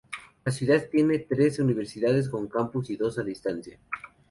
La ciudad tiene tres universidades con campus y dos a distancia.